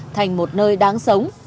thành một nơi đáng sống